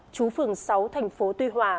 chú phường sáu thành phố tuy hòa